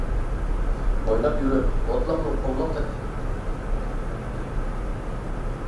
ئويناپ يۈرۈپ ئوتلاقنىڭ قۇملۇق تەرەپتىكى چاتقاللىق قىرغاققا كېلىپ قالدۇق.